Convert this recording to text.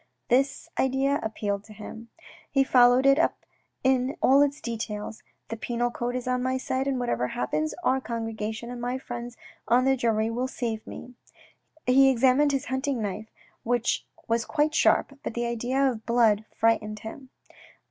This idea appealed to him. He followed it up in all its details. " The penal code is on my side, and whatever happens our congregation and my friends on the jury will save me." He examined his hunting knife which was quite sharp, but the idea of blood frightened him.